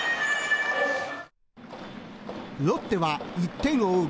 ロッテは１点を追う